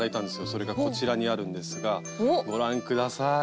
それがこちらにあるんですがご覧下さい。